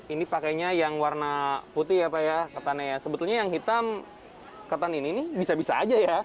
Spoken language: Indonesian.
ini pakainya yang warna putih apa ya katanya sebetulnya yang hitam kata nini bisa bisa aja